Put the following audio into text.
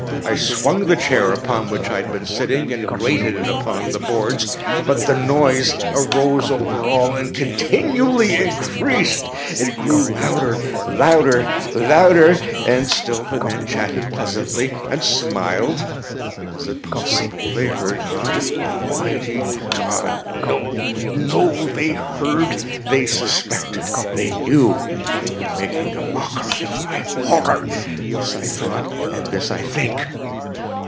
I swung the chair upon which I had been sitting, and grated it upon the boards, but the noise arose over all and continually increased. It grew louder—louder—louder! And still the men chatted pleasantly, and smiled. Was it possible they heard not? Almighty God!—no, no! They heard!—they suspected!—they knew!—they were making a mockery of my horror!—this I thought, and this I think.